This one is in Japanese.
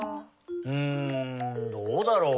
うんどうだろう？